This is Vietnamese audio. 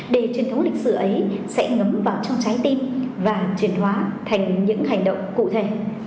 để truyền thống lịch sử ấy sẽ ngấm vào trong trái tim và truyền hóa thành những hành động cụ thể